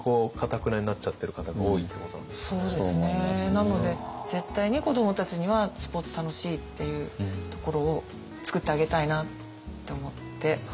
なので絶対に子どもたちにはスポーツ楽しいっていうところをつくってあげたいなって思って。